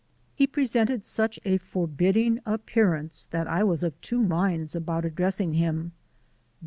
He presented such a forbidding appearance that I was of two minds about addressing him.